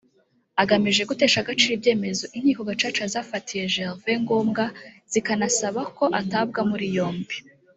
agamije gutesha agaciro ibyemezo inkiko Gacaca zafatiye Gervais Ngombwa zikanasaba ko atabwa muri yombi